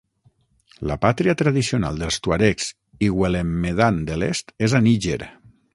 La pàtria tradicional dels tuaregs Iwellemmedan de l'est és a Níger.